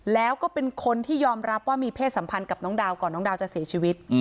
แล้วก็เป็นคนที่ยอมรับว่ามีเพศสัมพันธ์กับน้องดาวก่อนน้องดาวจะเสียชีวิต